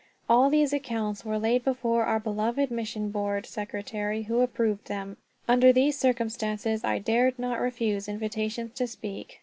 All these accounts were laid before our beloved Mission Board secretary, who approved them. Under these circumstances I dared not refuse invitations to speak.